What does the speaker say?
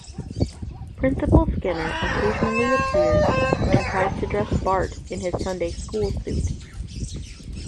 Principal Skinner occasionally appears and tries to dress Bart in his Sunday school suit.